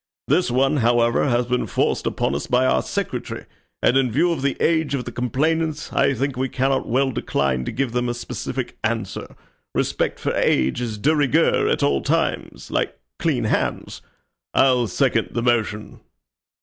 This one, however, has been forced upon us by our secretary, and in view of the age of the complainants I think we cannot well decline to give them a specific answer. Respect for age is de rigueur at all times, like clean hands. I'll second the motion."